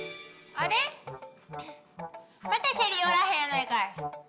あれまたシェリおらへんやないかい。